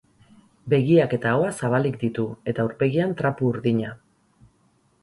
Begiak eta ahoa zabalik ditu, eta aurpegian trapu urdina.